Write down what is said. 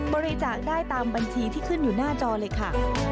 บริจาคได้ตามบัญชีที่ขึ้นอยู่หน้าจอเลยค่ะ